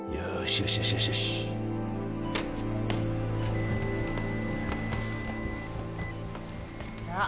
よしよしよしよしさあ